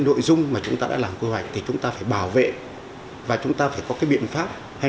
nội dung mà chúng ta đã làm quy hoạch thì chúng ta phải bảo vệ và chúng ta phải có cái biện pháp hay